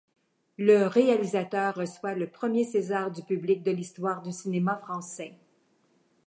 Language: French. Le réalisateur reçoit le premier César du public de l'histoire du cinéma français.